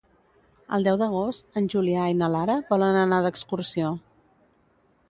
El deu d'agost en Julià i na Lara volen anar d'excursió.